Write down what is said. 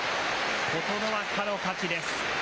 琴ノ若の勝ちです。